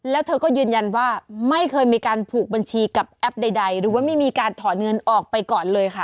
แล้วเธอก็ยืนยันว่าไม่เคยมีการผูกบัญชีกับแอปใดหรือว่าไม่มีการถอนเงินออกไปก่อนเลยค่ะ